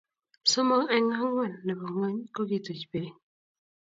somok eng angwan nebo ngony kokituch bek.